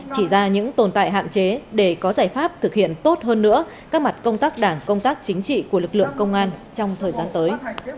chỉ ra những tồn tại hạn chế để có giải pháp thực hiện tốt hơn nữa các mặt công tác đảng công tác chính trị của lực lượng công an trong thời gian tới